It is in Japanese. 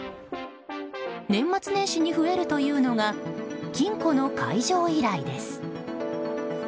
年末年始に増えるというのが金庫の解錠依頼です。